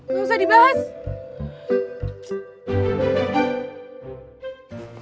gak usah dibahas